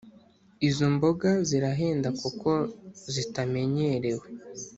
Izomboga zirahenda kuko zitamenyerewe